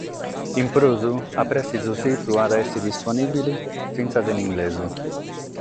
In prus, a presse su situ at a èssere disponìbile finas in inglesu.